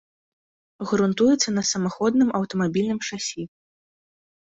Грунтуецца на самаходным аўтамабільным шасі.